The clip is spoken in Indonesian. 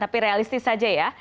tapi realistis saja ya